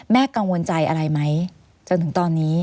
กังวลใจอะไรไหมจนถึงตอนนี้